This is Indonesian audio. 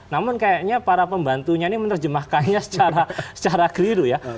namun kayaknya para pembantunya ini menerjemahkannya secara keliru ya